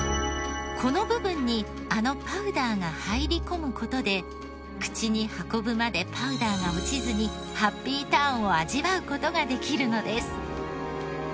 この部分にあのパウダーが入り込む事で口に運ぶまでパウダーが落ちずにハッピーターンを味わう事ができるのです。